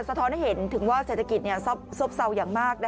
สะท้อนให้เห็นถึงว่าเศรษฐกิจเนี่ยซบเซาอย่างมากนะคะ